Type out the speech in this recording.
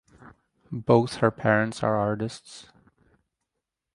Both her parents are artists.